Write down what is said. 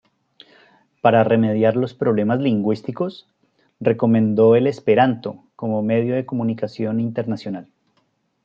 Para remediar los problemas lingüísticos, recomendó el Esperanto como medio de comunicación internacional.